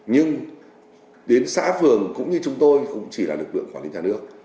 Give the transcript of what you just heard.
nhưng đến xã phường cũng như chúng tôi cũng chỉ là lực lượng quản lý nhà nước